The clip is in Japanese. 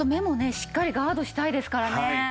しっかりガードしたいですからね。